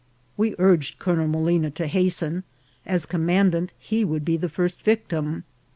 We urged Colonel Molina to hasten ; as commandant, he would be the first victim.